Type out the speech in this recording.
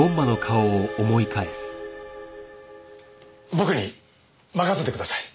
僕に任せてください。